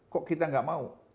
kok kita gak mau